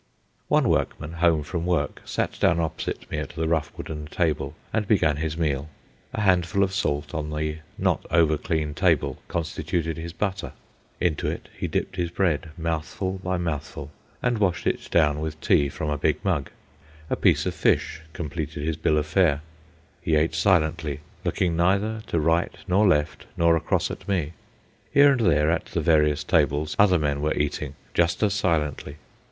One workman, home from work, sat down opposite me at the rough wooden table, and began his meal. A handful of salt on the not over clean table constituted his butter. Into it he dipped his bread, mouthful by mouthful, and washed it down with tea from a big mug. A piece of fish completed his bill of fare. He ate silently, looking neither to right nor left nor across at me. Here and there, at the various tables, other men were eating, just as silently.